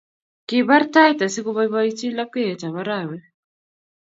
kibar tait asi koboibochi lapkeyetab arawe?